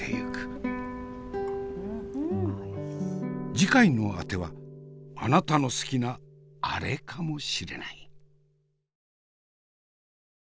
次回のあてはあなたの好きなアレかもしれない。